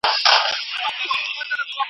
زه پرون کور پاکوم وم.